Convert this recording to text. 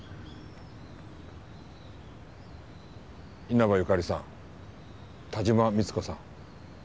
稲葉由香利さん田島三津子さん。